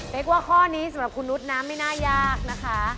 กว่าข้อนี้สำหรับคุณนุษย์นะไม่น่ายากนะคะ